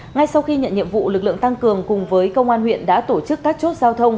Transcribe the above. ngay sau khi nhận nhiệm vụ lực lượng tăng cường cùng với công an huyện đã tổ chức các chốt giao thông